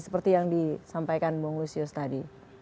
seperti yang disampaikan bung lusius tadi